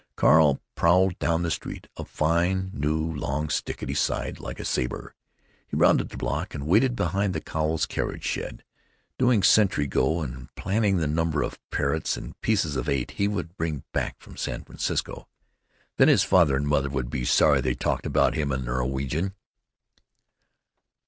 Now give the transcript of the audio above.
Carl prowled down the street, a fine, new, long stick at his side, like a saber. He rounded the block, and waited back of the Cowles carriage shed, doing sentry go and planning the number of parrots and pieces of eight he would bring back from San Francisco. Then his father and mother would be sorry they'd talked about him in their Norwegian!